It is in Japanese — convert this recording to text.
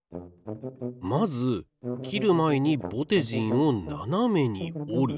まず切るまえにぼてじんをななめにおる。